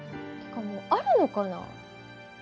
ってかもうあるのかな？